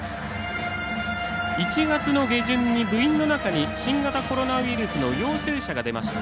１月の下旬に部員の中に新型コロナウイルスの陽性者が出ました。